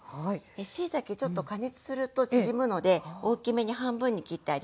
しいたけちょっと加熱すると縮むので大きめに半分に切ってあります。